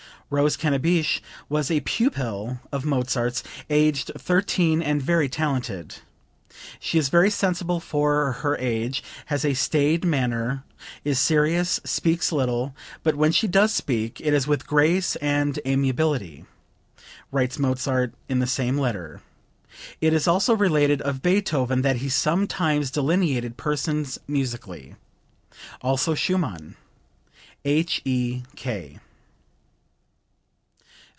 Rose Cannabich was a pupil of Mozart's, aged thirteen and very talented. "She is very sensible for her age, has a staid manner, is serious, speaks little, but when she does speak it is with grace and amiability," writes Mozart in the same letter. It is also related of Beethoven that he sometimes delineated persons musically. [Also Schumann. H.E.K.]) 15.